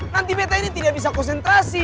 nanti peta ini tidak bisa konsentrasi